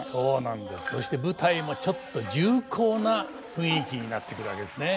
そして舞台もちょっと重厚な雰囲気になってくるわけですね。